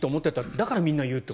だからみんな言うと。